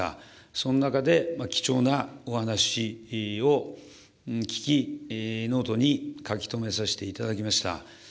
その中で、貴重なお話を聞き、ノートに書き留めさせていただきました。